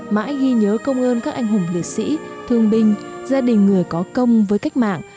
mãi ghi nhớ công ơn các anh hùng liệt sĩ thương binh gia đình người có công với cách mạng